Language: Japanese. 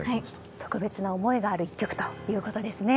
特別な思いがある１曲ということですね。